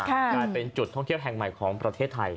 กลายเป็นจุดท่องเที่ยวแห่งใหม่ของประเทศไทย